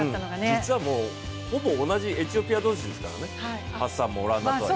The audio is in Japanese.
実はほぼ同じエチオピア同士ですからね。